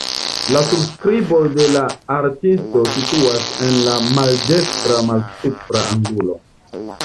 La subskribo de la artisto situas en la maldekstra malsupra angulo.